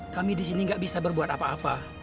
kami disini gak bisa berbuat apa apa